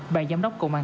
bà giám đốc công an